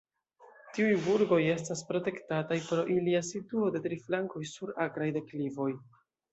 Tiuj burgoj estas protektataj pro ilia situo de tri flankoj sur akraj deklivoj.